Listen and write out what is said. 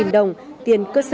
năm trăm linh đồng tiền cơ sở